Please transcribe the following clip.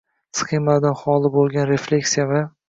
sxemalardan xoli bo‘lgan refleksiya va